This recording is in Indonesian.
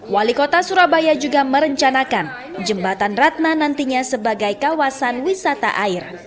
wali kota surabaya juga merencanakan jembatan ratna nantinya sebagai kawasan wisata air